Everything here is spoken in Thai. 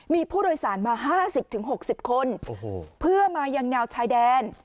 มีผู้โดยสารมาห้าสิบถึงหกสิบคนเพื่อมายังแนวชายแดน